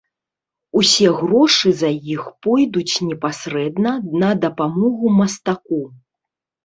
Усе грошы за іх пойдуць непасрэдна на дапамогу мастаку.